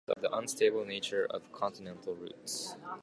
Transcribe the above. Consequences of the unstable nature of continental roots.